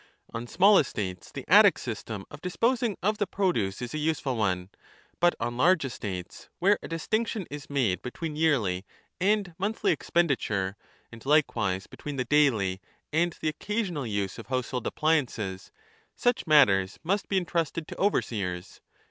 On small estates the Attic system of disposing of the produce 2 is a useful one ; but on large estates, where 20 a distinction is made between yearly and monthly expendi ture and likewise between the daily and the occasional use of household appliances, such matters must be entrusted to overseers.